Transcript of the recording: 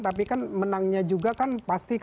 tapi kan menangnya juga kan pasti